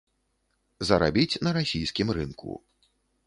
Зарабіць на расійскім рынку.